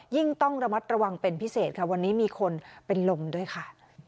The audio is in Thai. ต้องระมัดระวังเป็นพิเศษค่ะวันนี้มีคนเป็นลมด้วยค่ะ